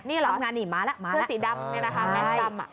นี่เหรอทำงานอีกมาแล้วมาแล้วเพื่อสีดำนี่นะคะแบสดำ